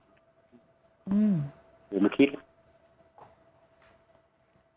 ผมคิด